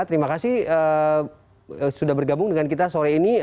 terima kasih sudah bergabung dengan kita sore ini